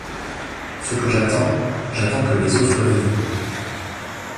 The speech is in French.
Ce que j'attends ? J'attends que les os soient vivants !